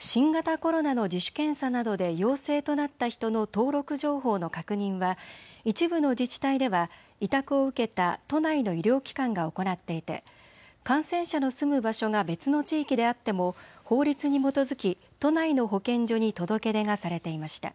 新型コロナの自主検査などで陽性となった人の登録情報の確認は一部の自治体では委託を受けた都内の医療機関が行っていて感染者の住む場所が別の地域であっても法律に基づき都内の保健所に届け出がされていました。